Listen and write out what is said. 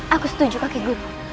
aku setuju kaki guru